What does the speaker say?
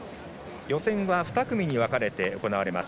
予選は２組に分かれて行われます。